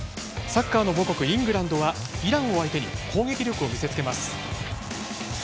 サッカーの母国イングランドはイランを相手に攻撃力を見せつけます。